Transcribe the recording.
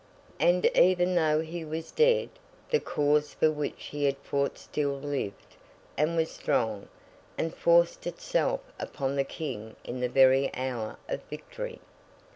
And even though he was dead, the cause for which he had fought still lived, and was strong, and forced itself upon the King in the very hour of victory.